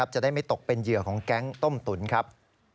จะได้ไม่ตกเป็นเหยื่อของแก๊งต้มตุ๋นครับ